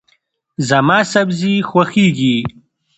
زما سبزي خوښیږي.